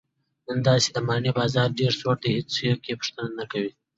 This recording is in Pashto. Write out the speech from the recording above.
نن سبا د مڼې بازار ډېر سوړ دی، هېڅوک یې پوښتنه نه کوي.